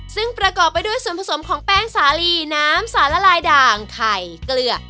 ซึ่งประกอบไปด้วยส่วนผสมของแป้งสาลีน้ำสารละลายด่างไข่เกลือ